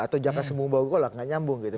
atau jakarta sembun bawang gak nyambung gitu